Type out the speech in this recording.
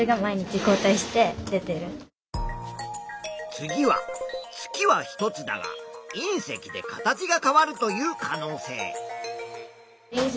次は月は１つだがいん石で形が変わるという可能性。